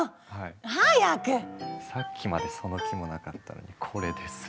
さっきまでその気もなかったのにこれですよ。